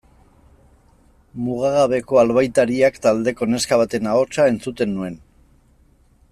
Mugagabeko Albaitariak taldeko neska baten ahotsa entzuten nuen.